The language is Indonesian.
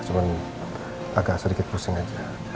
cuma agak sedikit pusing aja